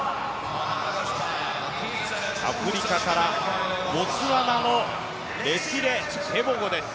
アフリカからボツワナのレツィレ・テボゴです。